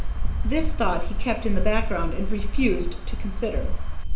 This thought he kept in the background and refused to consider.